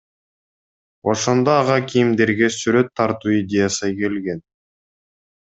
Ошондо ага кийимдерге сүрөт тартуу идеясы келген.